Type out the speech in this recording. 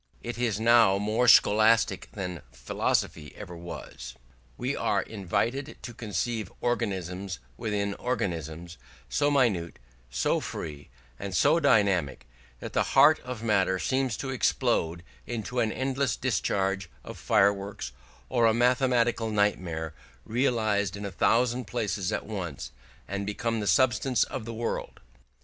It is now more scholastic than philosophy ever was. We are invited to conceive organisms within organisms, so minute, so free, and so dynamic, that the heart of matter seems to explode into an endless discharge of fireworks, or a mathematical nightmare realised in a thousand places at once, and become the substance of the world.